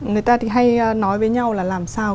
người ta thì hay nói với nhau là làm sao